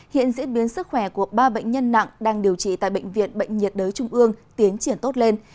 hiện diễn biến sức khỏe của ba bệnh nhân nặng đang điều trị tại bệnh viện bệnh nhiệt đới trung ương tiến triển tốt lên